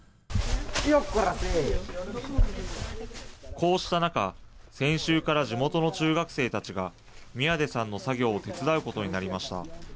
こうした中、先週から地元の中学生たちが、宮出さんの作業を手伝うことになりました。